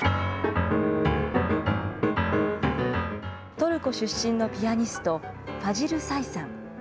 トルコ出身のピアニスト、ファジル・サイさん。